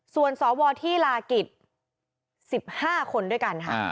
ส่วนสวที่ลากิจ๑๕คนด้วยกันค่ะ